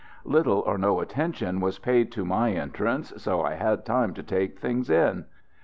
Little or no attention was paid to my entrance, so I had time to take things in.